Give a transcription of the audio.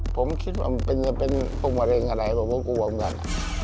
ผมคิดว่ามันเป็นยังไงเป็นโรคมะเร็งอะไรผมก็กลัวทำงาน